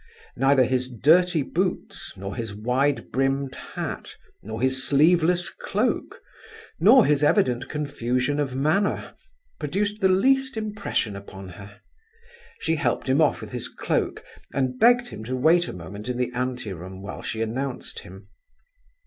Neither his dirty boots, nor his wide brimmed hat, nor his sleeveless cloak, nor his evident confusion of manner, produced the least impression upon her. She helped him off with his cloak, and begged him to wait a moment in the ante room while she announced him.